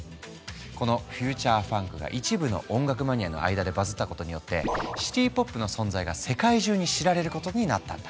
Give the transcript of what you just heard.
このフューチャーファンクが一部の音楽マニアの間でバズったことによってシティ・ポップの存在が世界中に知られることになったんだ。